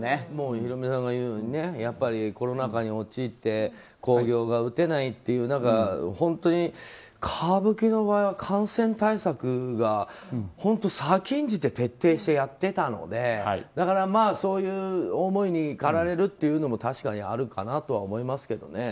ヒロミさんが言うようにコロナ禍に陥って興行が打てないという中本当に歌舞伎の場合は感染対策が本当先んじて徹底してやってたのでだからそういう思いにかられるというのも確かにあるかなとは思いますけどね。